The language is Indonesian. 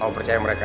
aku percaya mereka